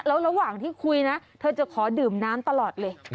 แล้วระหว่างที่คุยนะเธอจะขอดื่มน้ำตลอดเลย